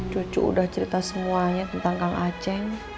cucu udah cerita semuanya tentang kang aceh